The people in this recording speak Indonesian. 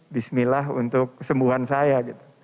bismillah untuk kesembuhan saya